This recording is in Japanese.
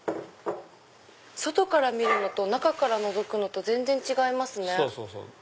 外から見るのと中からのぞくのと全然違いますね。